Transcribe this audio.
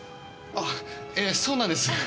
あええそうなんです。